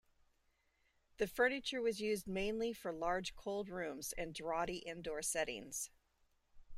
The furniture was used mainly for large cold rooms and draughty indoor settings.